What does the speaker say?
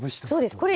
そうです。